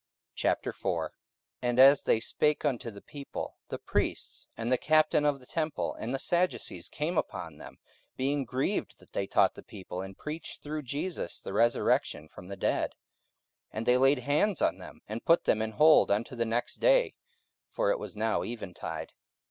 44:004:001 And as they spake unto the people, the priests, and the captain of the temple, and the Sadducees, came upon them, 44:004:002 Being grieved that they taught the people, and preached through Jesus the resurrection from the dead. 44:004:003 And they laid hands on them, and put them in hold unto the next day: for it was now eventide.